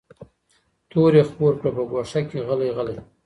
تور یې خپور کړ په ګوښه کي غلی غلی